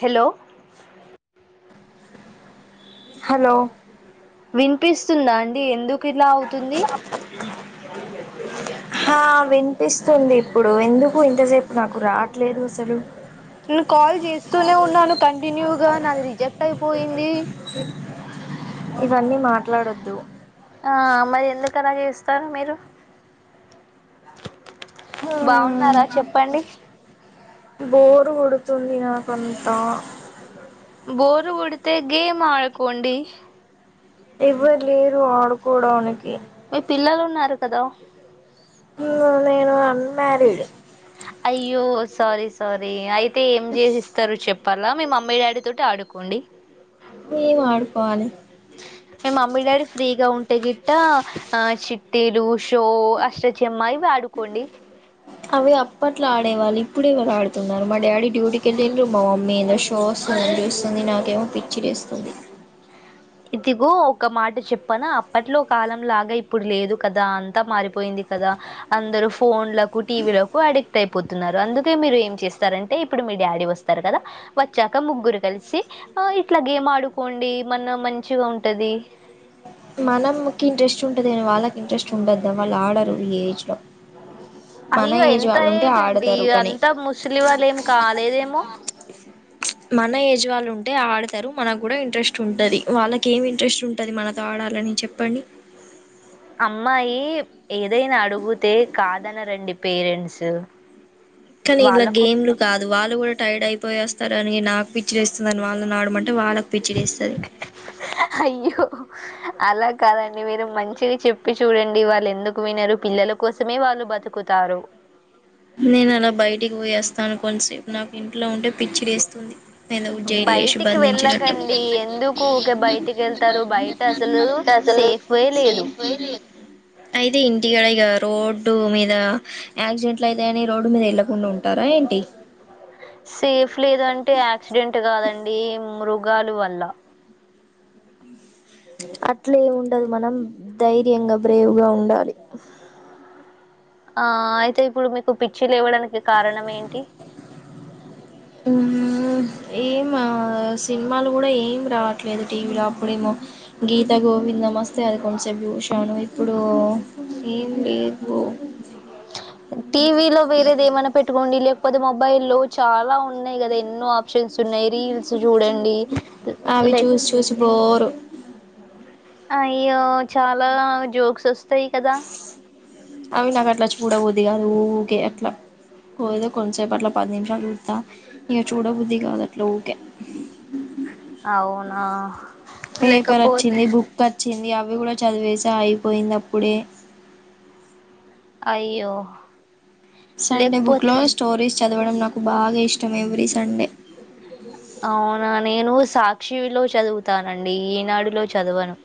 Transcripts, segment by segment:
hello hello వినిపిస్తుందా అండి ఎందుకు ఇలా అవుతుంది ఆ వినిపిస్తుంది ఇప్పుడు ఎందుకు ఇంతసేపు నాకు రాట్లేదు అసలు నేను కాల్ చేస్తూనే ఉన్నాను కంటిన్యూగా నాది రిజెక్ట్ అయిపోయింది ఇవన్నీ మాట్లాడొద్దు ఆ మరి ఎందుకలా చేస్తారు మీరు బాగున్నారా చెప్పండి బోరు కొడుతుంది నాకంతా బోరు కొడితే గేమ్ ఆడుకోండి ఎవ్వరులేరు ఆడుకోడానికి మీ పిల్లలు ఉన్నారు కదా హు నిను అన్ మరిీడ్ అయ్యో సారీ సారీ అయితే ఏం చేసిస్తారు చెప్ ప్పల్ల మీ మమ్మీ డాడీ తోటి ఆడుకోండి మీ వాడుకోవాలి మే మమ్మీ డాడీ ఫ్రీగా ఉంటే గిట్ట ఆ శిట్ తెలు షో అష్టచమ్మ ఇవి ఆడుకోండి అవి అప్పట్లో ఆడేవాళ్ళు ఇప్పుడు ఇవ్వాళ వాళ్ళు ఆడుతున్నారు మా డాడీ డ్యూటీకి వెల్లిండ్రు మా మమ్మీ నిను షోస్ చూస్తుంది నాకేమో పిచ్చి లేస్తుంది ఇదిగో ఒక మాట చెప్పన అప్పట్లో కాలం లాగా ఇప్పుడు లేదు కదా అంతా మారిపోయింది కదా అందరు ఫోన్లకు టీవీలకు అడిక్ట్ అయిపోతున్నారు అందుకే మీరు ఏం చేస్తారంటే ఇప్పుడు మీ డాడీ వస్తారు కదా వచ్చాక ముగ్గురు కలిసి ఆ ఇట్లా గేమ్ ఆడుకోండి మన మంచిగా ఉంటది మనంకి ఇంట్రెస్ట్ ఉంటద కానీ వాళ్ళకి ఇంట్రెస్ట్ ఉండోదా వాళ్ళు ఆడరు ఈ ఏజ్ లో మన అయ్యో ఏజ్ ఎంత వాళ్ళు ఉంటే ఏజ్ అండి ఆడతారు కానీ అంత ముసలి వాళ్ళు ఏం కాలేద్ మన ఏజ్ వాళ్ళు ఉన్ అంటే ఆడతారు మనకు కూడా ఇంట్రెస్ట్ ఉంటది వాళ్ళకి ఏమి ఇంట్రెస్ట్ ఉంటది మనతో ఆడాలని చెప్పండి అ అమ్మాయి ఏదైనా అడుగుతే కాదనరండి పేరెంట్స్ కానీ ఇలా వాళ్ళకు గేమ్లు కాదు వాళ్ళు కూడా టైర్డ్ అయిపోయేస్తారు అని నాకు పిచ్చి వేస్తుందని వాళ్ళని ఆడమం టే వాళ్ళకు పిచ్చిలేస్తది అయ్యో అలా కాదండి మీరు మంచిగ చెప్పి చూడండి వాళ్ళు ఎందుకు వినరు పిల్లల కోసమే వాళ్ళు బతుకుతారు నేను అలా బయటికి పోయేస్తాను కొంతసేపు నాకు ఇంట్లో ఉంటే పిచ్చి లేస్తుంది ఎందుకు జెల్లెషి బయటికి బంధించినట్టు వెళ్ళకండి ఎందుకు ఊకే బయటికి వెళ్తారు బయట అసలు అసల్ సేఫే లేదు అయితే ఇంటికాడ ఇగ రోడ్డు మీద యాక్సిడెంట్లు అయితాయని రోడ్డు మీద వెళ్కుండా ఉంటారా ఏంటి సేఫ్ లేదు అంటే యాక్సిడెంట్ కాదండి మృగాలు వల్ల అట్లేమి ఉండదు మనం ధైర్యంగా బ్రేవ్ గా ఉండాలి అ ఆ అయితే ఇప్పుడు మీకు పిచ్చి లేవడానికి కారణం ఏంటి హు ఏం ఆ సినిమాలు కూడా ఏం రావట్లేదు టీవీలో అప్పుడేమో గీత త గోవిందం వస్తే అది కొంచసేప్ చూశాను ఇప్పుడు ఒ టీవీ లో వేరేదేమన్న పెట్టుకోండి లే పది మొబైల్ లో చాలా ఉన్నాయి కదా ఎన్నో ఆప్షన్స్ తున్నాయ్ రీల్స్ చూడండి లైక్ ఉ అయ్యో చాలా జోక్స్ వస్తాయి కదా అవి నాకట్లా చూడబుద్ధి కాదు ఊకే అట్లా ఎదో కొంతసేపు అట్లా పది నిమిషాలు సుత్త ఇగ చూడబుద్ధి కాదు అట్ల ఊకే అవునా పేపర్ లేకపోతే అచ్చింది బుక్ అచ్చింది అవ్ అవి కూడా చదివేసా అయిపోయింది అప్పుడే అయ్యో సండే బుక్ లో లేకపోతే స్టోరీస్ చదవడం నాకు బాగా ఇష్టం ఎవ్రీ సండే ఆ అవునా నేను సాక్షివిలో చదువుతానండి ఈనాడులో చదువను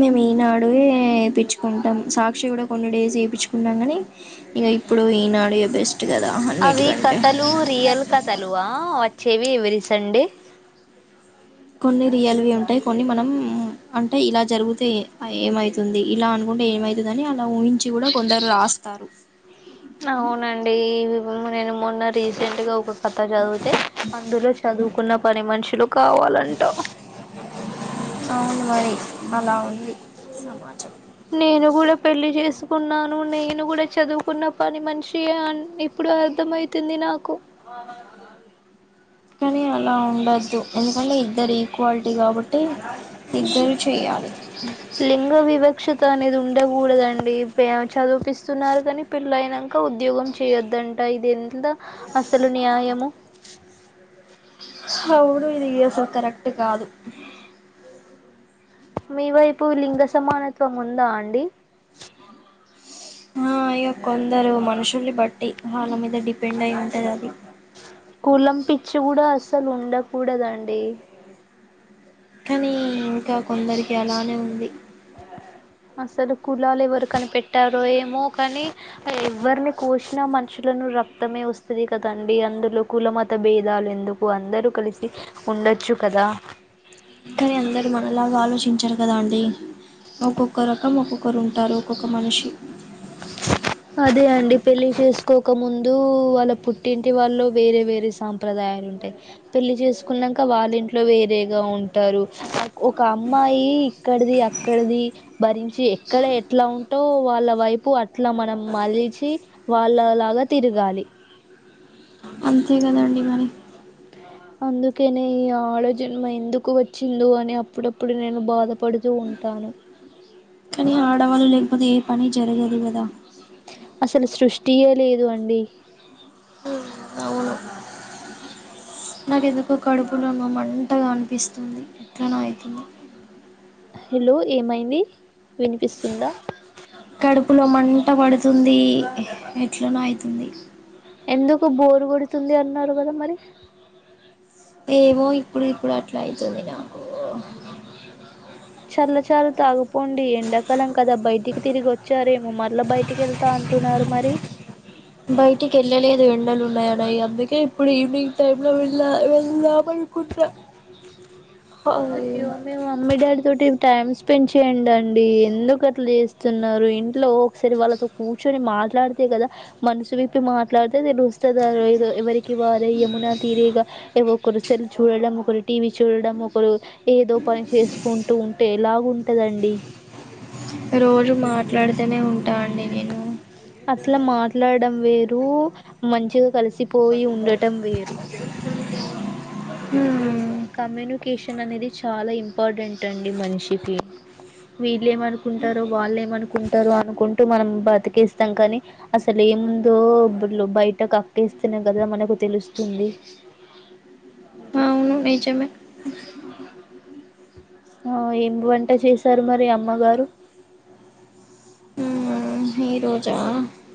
మేము ఈనాడుయే ఏపిచ్చుకుంటాం సాక్షి కూడా కొన్ని డేస్ ఏపిచ్చుకునం గని ఇగ ఇప్పుడు ఈనాడు యే బెస్ట్ కదా అవి అన్నిటికంటే కథలు రియల్ కథలు ఆ వట్ చెవి ఎవ్రీసండే కొన్ని రియల్విీ ఉంటాయి కొన్ని మనం అంటే ఇలా జరిగుతే ఏమైతుంది ఇలా అనుకుంటే ఏమై [unintelligible] గాని అలా ఊహించి కూడా కొందరు రాస్తారు అవునండి [unintelligible] నేను మొన్న రీసెంట్ గా ఒక కథ చదివితే అందులో చదువుకున్న పని మనుషులు కావాలంటా అవు అలా ఉ నేను కూడా పెళ్ళి చేస్ కున్నాను నేను కూడా చదువుకున్న పని మనిషి అ ఇప్పుడు అర్థమవుతుంది నాకు కానీ అలా ఉండద్దు ఎందుకంటే ఇద్దరి క్వాలిటీ కాబట్టి ఇద్దరూ చేయాలి తా అనేది ఉండకూడదండి ప్యా చదిపిస్తున్నారు కాని పెళ్లి అయినాంకా ఉద్యోగం చేయొద్దం [unintelligible] ఇది ఎంత అసలు న్యాయము అవును ఇది కేసలు కరెక్ట్ కాదు మీ వైపు లింగ సమానత్వం ఉందా అండి ఆ ఇగ కొందరు మనుషుల్ని బట్టి వాల [inaudible] కులం పిచ్చి కూడా అస్ అసలు ఉండకూడద అండి కానీ ఇంకా కొందరికి అలానే ఉంది అసలు కులాలు ఎవరు కనిపెట్టారో ఏమో కానీ ఎవరిని కోసినా మనుషులను రక్తమే వస్తుది కదండి అందులో కులమత భేద లు ఎందుకు అందరూ కలిసి ఉండొచ్చు కదా కనీ అందరు మ నాలాగ ఆలోచించరు కద అండి ఒక్కొక్క రకం ఒక్కొక్కరు ఉంటారు ఒక్కొక్క మనిషి లు వాళ్ళ పుట్టింటి వాళ్ళు వేరే వేరే సాంప్రదాయాలు ఉంటాయి పెళ్లి చేసుకున్నాక వాళ్ళ ఇ ఇంట్లో వేరేగా ఉంటారు ఒక అమ్మాయి ఇక్కడది అక్కడది భరించి ఎక్కడ ఎట్లా ఉంటో వాళ్ళ వై ప్పు అట్లా మనం మలిచి వాళ్ళలాగా తిరగాలి అంతే కదండి మరి అందుకేనే ఈ ఆడా జన్మ ఎందుకు వచ్చిందో అని అప్పుడప్పుడు నేను బాధ పడుతూ ఉంటాను ప్పుదే పని జరుగదుకదా అసలు సృష్టియ లేదు అండి నాకు ఎందుకో కడుపు [unintelligible] మంటగా అనిపిస్తుంది ఎట్లానో అయితుంది హలో ఏమైంది వినిపిస్తుందా కడుపులో మంట పడుతుంది ఎట్లనో అయితుంది ఎందుకు బోరు కోడుతుంది అన్నారు కదా మరి ఏమో ఇప్పుడు ఇప్పుడు అట్లా అయితుంది నాకు చల్ చాల తాగ పోండి ఎండాకాలం కదా బయటికి తిరిగి వచ్చారేమో మల బయటికి వెళ్తా అంటున్నారు మరి బయటికి వెళ్ళ ఎండలు ఉన్నాయి [unintelligible] అందుకే ఇప్పుడు ఈవినింగ్ టైమ్ లో వెళ్ వెళ్దా అనుకున్న హ అయ్యో మీ మమ్మీ డాడీ తోటి టైమ్ స్పెండ్ చేయండి అండి ఎందుక అట్లు చేస్తున్నారు ఇంట్లో ఒకసారి వాళ్ళతో కూర్చొ ని మాట్లాడితే కదా మనసు విప్పి మాట్లాడితే తెలుస్తది ఆ లేో ఎవరి కి వారే యమున తీరేగా ఒకరు సెల్ చూడడం ఒకరు టీవీ చూడడం ఒకరు ఏదో పని చేసుకుంటూ ఉంటే ఎలాగుంటదండి రోజు మాట్లాడుతూనే ఉంటా అండి నేను అట్లా మాట్లాడడం వేరు మంచిగా కలిసి హ కమ్యూనికేషన్ అనేది చాలా ఇంపార్టెంట్ అండి మనిషికి వీళ్ళు ఏమనుకుంటారో వాళ్ళ ఏమనుకుంట కుంటారు అనుకుంటూ మనం బతికేస్తాం కానీ అసలు ఏముందో బయట క చూస్తే స్తనే కదా మనకు తెలుస్తుంది అవును నిజమే ఆ ఏం వంట చేశారు మరి అమ్మగారు ఈ రోజా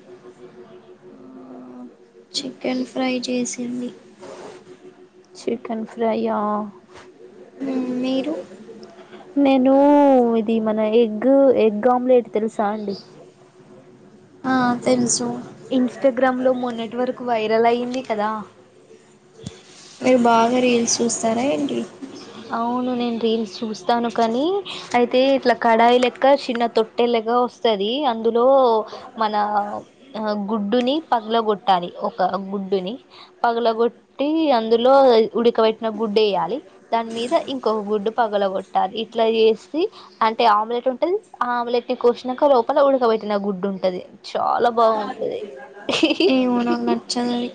బ చికెన్ ఫ్రై చేసింది చికెన్ ఫ్రైయా మీరు నేను ఇది మన ఎగ్ ఎగ్ ఆమ్లెట్ తెలుసా అండి ఆ తెలుసు ఇన్స్టాగ్రామ్ లో మొన్నటి వరకు వైరల్ అయింది కదా మీరు బాగా రీల్స్ చూస్తారా ఏంటి అ అవును నేను రీల్స్ చూస్తాను కాని అయితే ఇట్లా కడాయి లెక్క చిన్న తొట్టేలగా వస్తుంది అందులో మన గుడ్డుని పగలగొట్టాలి ఒక గుడ్డుని పగలగొట్టి అందులో ఉడకబెట్టిన గుడ్డు డ్డేయాలి దాని మీద ఇంకొక గుడ్డు పగల కొట్టాలి ఇట్లా చేసి అంటే ఆమ్లెట్ ఉంటది ఆమ్లెట్ కోసినాక లోపల ఉడకబేట్టిన గుడ్డు ఉంటది చాలా బాగుంటది ఏమో నాకు నచ్చదు అది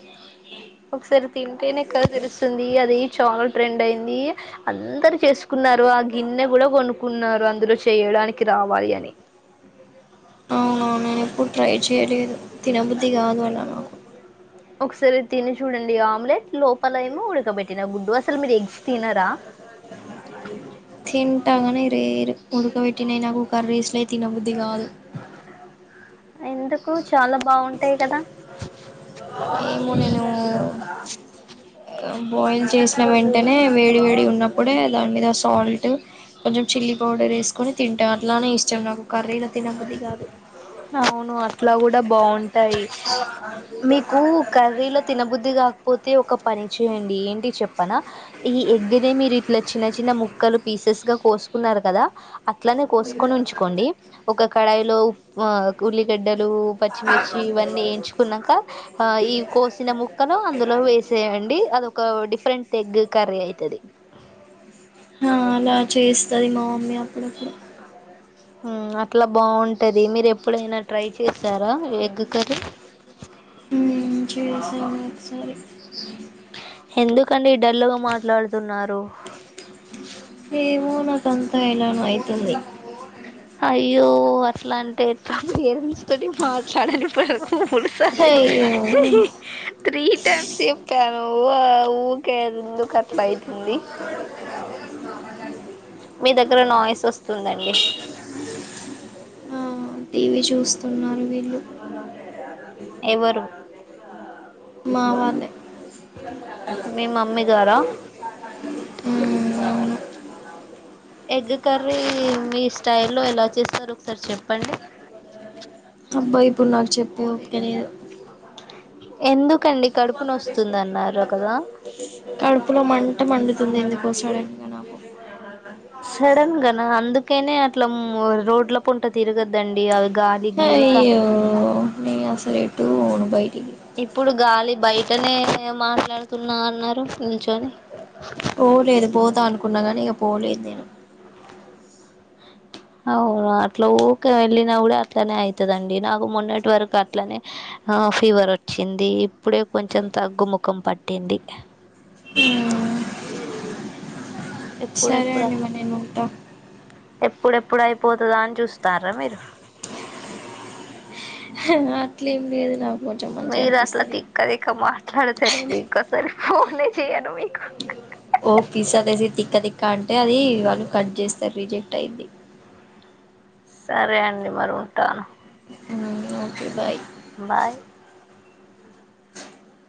ఒకసారి తింటేనే కదా తెలుస్తుంది అది చాలా ట్రెండ్ అయింది అందరు చేసుకు కున్నారు ఆ గిన్నె కూడా కొనుక్కున్నారు అందులో చేయడానికి రావాలి అని అవునవునునేను ఎప్పుడు ట్రై చేయలేదు తినబుద్ధది కాదు అలా నాకు ఒకసారి తిని చూడండి ఆమ్లెట్ లోపల ఏమో ఉడకబెట్న గుడ్డు అసలు మీరు ఎగ్స్ తినారా సదా తింటా కనీ రేర్ ఉడుక బెటినాయి నాకు కర్రీస్ లై తినబుద్ధి కాదు ఎందుకు చాలా బాగుంటాయి కదా ఏమో నేను బాయిల్ చేసిన వెంటనే వేడి వేడి ఉన్నప్పుడు ప్పుడే దాని మీద సాల్ట్ కొంచెం చిల్లీ పౌడర్ వేసుకొని తింటా అట్లానే ఇష్టం నాకు కర్రీలో తినబుద్ధి కాదు అవును అట్లా కూడా బాగుంట ది మీకు కర్రీలో తినబుద్ధి కాకపోతే ఒక ప పని చేయండి ఏంటి చెప్పనా ఈ ఎగ్ మీరు ఇట్లా చిన్న చిన్న ముక్కలు పీసెస్ గా కోసు కున్నారు కదా అట్లనే కోసుకొని ఉంచుకోండి ఒక కడాయిలో ఉ ఉల్లిగడ్డలు పచ్చిమిర్చి ఇవన్నీ వేయించుకున్నాక ఆ ఈ కోసిన ముక్కలు అందులో వేసేయండి అది ఒక డిఫరెంట్ ఎగ్ కర్రీ అయితది ఆ అలా చేస్తది మా మమ్మీ అప్పుడిప్పుడు అట్లా బాగుంటది మీరు ఎప్పుడైనా ట్రై చేస్తారా ఎగ్ కర్రీ చేసాను ఒకసారి ఎందుకండి డల్గా మాట్లాడుతున్నారు అంత ఎలానో అయితుంది అయ్యో అట్లంటే ఎట్ల తొటి మాట్లాడని పను మూడు సార్లు అయ్యో త్రీ టైమ్స్ చెప్పాను ఊ ఊకే ఎందుకట్లైతుంది మీ దగ్గర నాయిసొస్తుందండి టీ వీ చూస్తున్నారు వీళ్ళు ఎవరు మావాలె మీ మమ్మీ గారా మ్మ్ ఎగ్ కర్రీ మీ స్టైలో ఎలా చేస్తారు ఒకసారి చెప్పండి అబ్బా ఇప్పుడు నాకు చెప్పు ఓప్కనే ఎందుకండి కడుపు నొస్తుంది అన్నారు కదా కడుపులో మంట మండి తుంది అందుకోసమనే ఇంగ నాకు ట్లం రోడ్ల పుంట తిరగద్దండి అవి గాలి గీలిక నేనసలెట్టు బోను బైటికి ఇప్పుడు గాలి బయటనే మాట్లాడుతున్నా అన్నారు నిల్చొని పోలేదు పోదా అనుకున్నా కానీ ఇగ పోలేదు నేను అవునా అట్ల ఊకే వెళ్ళినా గుడ అట్లనే అయితదండి నాగు మొన్నటి వరకు అట్లనే ఆ ఫీవర్ వచ్చింది ఇప్పుడే కొంచెం తగ్గుముఖం పట్టింది మ్మ్ ఇప్పుడెప్పుడ ఎప్పుడెప్ ప్పుడయిపోతుదా అని చూస్తారా మీరు అట్లేమి లేదు నా మీరట్ల దిక్క దిక్క మాట్లాడతారండి ఇంకోసారి ఫోనే చేయను మీకు పిస్ అదసి తిక్క తిక్క అంటే అది వాళ్ళు కట్ చేస్తారు రిజెక్ట్ అయిది సరే అండి మరుంటాను మ్మ్ ఓకే బాయ్ బాయ్